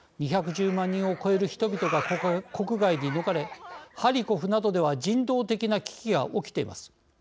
２１０万人を超える人々が国外に逃れ、ハリコフなどでは人道的な危機が起きています。